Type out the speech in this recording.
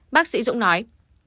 bác sĩ dũng nói